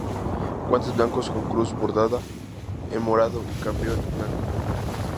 Guantes blancos con cruz bordada en morado y capirote blanco.